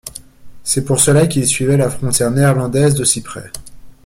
C'est pour cela qu'il suivait la frontière néerlandaise d'aussi près.